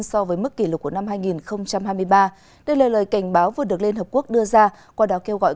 so với mức kỷ lục của năm hai nghìn hai mươi ba đây là lời cảnh báo vừa được liên hợp quốc đưa ra qua đó kêu gọi